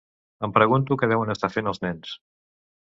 Em pregunto què deuen estar fent els nens.